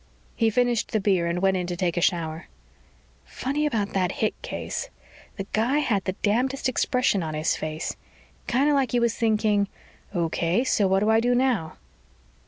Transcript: He finished the beer and went in to take a shower. Funny about that hit case. The guy had the damnedest expression on his face. Kind of like he was thinking, _Okay, so what do I do now?